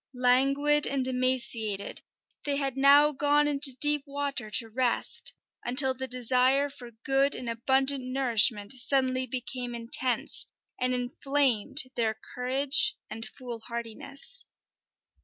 Languid and emaciated, they had now gone into deep water to rest, until the desire for good and abundant nourishment suddenly became intense, and inflamed their courage and foolhardiness.